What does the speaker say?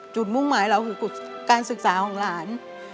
มุ่งหมายเราคือการศึกษาของหลาน